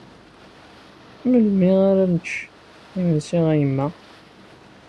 Melmi ara ad nečč imensi a yemma?